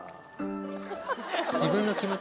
自分の気持ち。